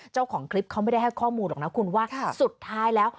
เจ้าของคลิปเขาไม่ได้ให้ข้อมูลหรอกนะคุณว่า